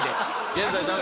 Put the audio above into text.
現在。